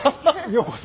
ようこそ。